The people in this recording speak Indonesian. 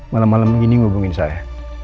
malam malam ini hubungin saya